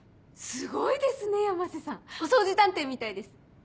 すごいですね山瀬さん！お掃除探偵みたいです。